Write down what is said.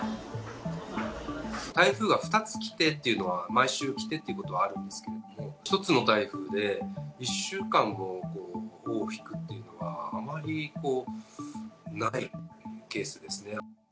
台風が２つ来てというのは、毎週来てってことはあるんですけれども、１つの台風で１週間もも尾を引くというのはあまりないケースです